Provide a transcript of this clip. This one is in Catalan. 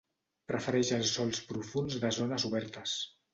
Prefereix els sòls profunds de zones obertes.